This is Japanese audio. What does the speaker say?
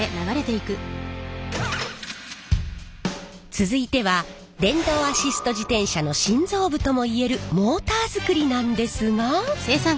続いては電動アシスト自転車の心臓部とも言えるモーターづくりなんですが。